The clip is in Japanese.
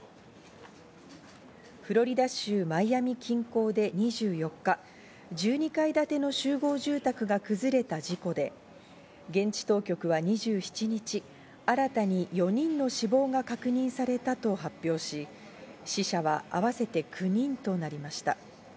フロリダ州マイアミ近郊で２４日、１２階建ての集合住宅が崩れた事故で、現地当局は２７日、新たに４人の死亡が確認されたと発表し、死者は合わせて９人となりました。